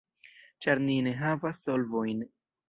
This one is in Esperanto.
Ĉar ni ne havas solvojn.